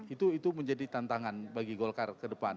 itu menjadi tantangan bagi golkar ke depan